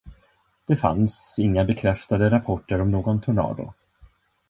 Det fanns inga bekräftade rapporter om någon tornado.